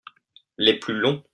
Les plus longs.